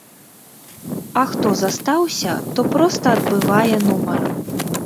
А хто застаўся, то проста адбывае нумар.